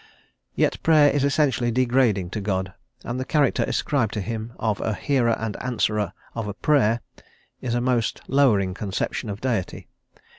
Yet Prayer is essentially degrading to God, and the character ascribed to him of "a hearer and answerer of Prayer" is a most lowering conception of Deity.